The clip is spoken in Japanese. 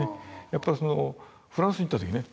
やっぱりフランスに行った時ね